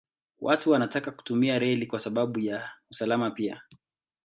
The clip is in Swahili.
Watu wanataka kutumia reli kwa sababu ya usalama pia.